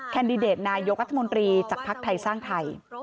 แดดิเดตนายกรัฐมนตรีจากภักดิ์ไทยสร้างไทย